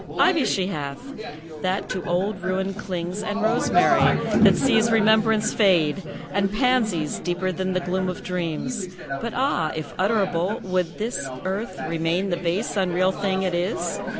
Ivy she hath, that to old ruin clings; And rosemary, that sees remembrance fade; And pansies, deeper than the gloom of dreams; But ah! if utterable, would this earth Remain the base, unreal thing it is?